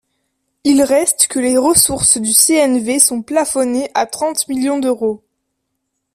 Il reste que les ressources du CNV sont plafonnées à trente millions d’euros.